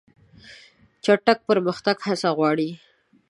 چټک پرمختګ هڅه غواړي.